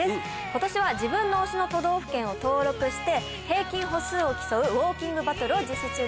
今年は自分の推しの都道府県を登録して平均歩数を競うウオーキングバトルを実施中です。